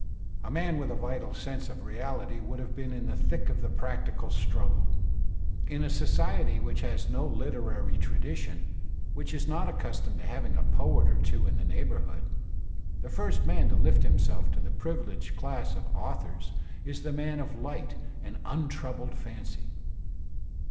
A man with a vital sense of reality would have been in the thick of the practical struggle. In a society which has no literary tradition, which is not accustomed to having a poet or two in the neighbourhood, the first man to lift himself to the privileged class of authors is the man of light and un troubled fancy.